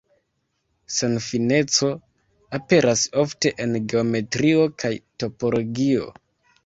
Senfineco aperas ofte en geometrio kaj topologio.